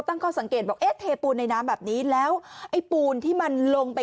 ตั้งข้อสังเกตบอกเอ๊ะเทปูนในน้ำแบบนี้แล้วไอ้ปูนที่มันลงไป